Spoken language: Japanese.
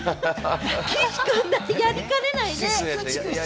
岸君だったらやりかねないね。